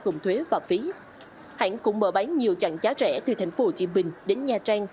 gồm thuế và phí hãng cũng mở bán nhiều chặng giá rẻ từ thành phố hồ chí minh đến nha trang